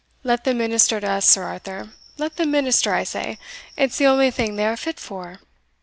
Let them minister to us, Sir Arthur, let them minister, I say, it's the only thing they are fit for.